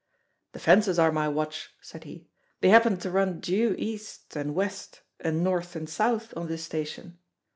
"The fences are my watch," said he; "they happen to run due east and west and north and south on this station.